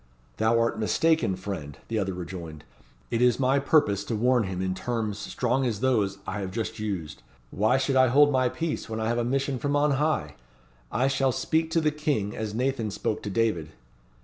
"Thou art mistaken, friend," the other rejoined. "It is my purpose to warn him in terms strong as those I have just used. Why should I hold my peace when I have a mission from on high? I shall speak to the King as Nathan spoke to David."